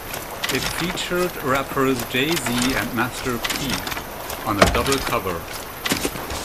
It featured rappers Jay-Z and Master P on a double cover.